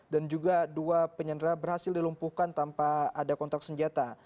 dan juga dua penyandera berhasil dilumpuhkan tanpa ada kontak senjata